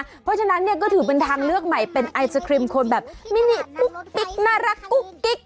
เพราะฉะนั้นเนี่ยก็ถือเป็นทางเลือกใหม่เป็นไอศครีมคนแบบมินิกุ๊กกิ๊กน่ารักกุ๊กกิ๊ก